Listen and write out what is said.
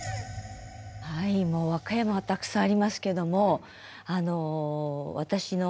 もう和歌山はたくさんありますけども。